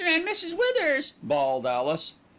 and Mrs. Withers," bawled Alice. Mrs.